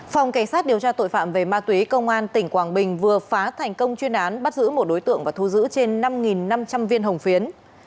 phòng cảnh sát điều tra tội phạm về ma túy công an tỉnh quảng bình vừa phá thành công chuyên án bắt giữ một đối tượng và thu giữ trên năm năm trăm linh viên hồng phiến